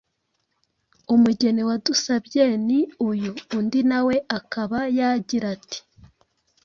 Umugeni wadusabye ni uyu”. Undi na we akaba yagira ati: “